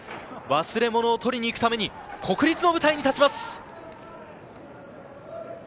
忘れ物を取りに行くために、国立の舞台に立ちます。